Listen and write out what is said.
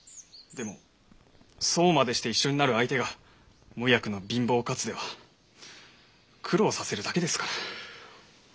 でもそうまでして一緒になる相手が無役の貧乏勝では苦労させるだけですから。